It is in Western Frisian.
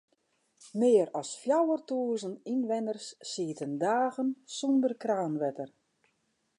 Mear as fjouwertûzen ynwenners sieten dagen sûnder kraanwetter.